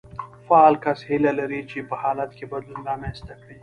فعال کس هيله لري چې په حالت کې بدلون رامنځته کړي.